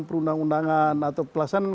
perundang undangan atau pelaksanaan